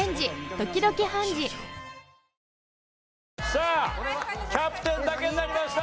さあキャプテンだけになりました！